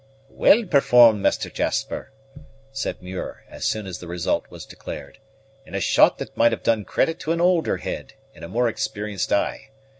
"Well performed, Master Jasper," said Muir, as soon as the result was declared; "and a shot that might have done credit to an older head and a more experienced eye.